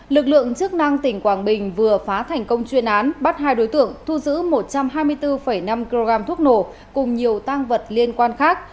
lực lượng chức năng tỉnh quảng bình vừa phá thành công chuyên án bắt hai đối tượng thu giữ một trăm hai mươi bốn năm kg thuốc nổ cùng nhiều tăng vật liên quan khác